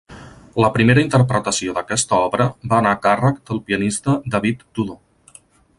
La primera interpretació d'aquesta obra va anar a càrrec del pianista David Tudor.